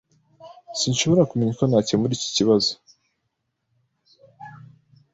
Sinshobora kumenya uko nakemura iki kibazo.